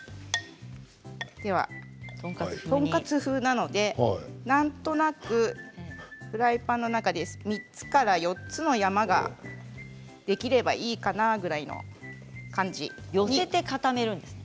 トンカツ風なので、なんとなくフライパンの中で３つから４つの山ができればいいかなぐらいの感じ。